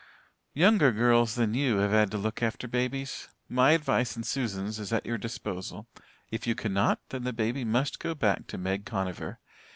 "Younger girls than you have had to look after babies. My advice and Susan's is at your disposal. If you cannot, then the baby must go back to Meg Conover.